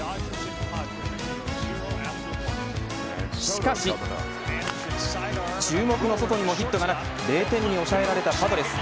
しかし注目のソトにもヒットがなく０点に抑えられたパドレス。